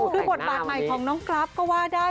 คือบทบาทหน่อยของน้องกลั๊บก็ว่าได้